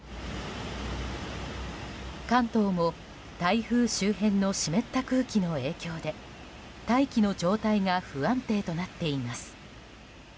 関東も、台風周辺の湿った空気の影響で大気の状態が不安定となっています。